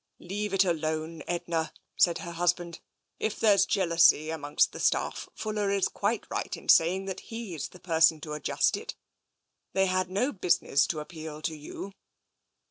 " Leave it alone, Edna,*' said her husband. "If there's jealousy amongst the staff. Fuller is quite right in saying that he's the person to adjust it. They had no business to appeal to you."